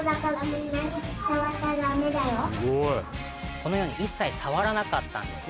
このように一切触らなかったんですね。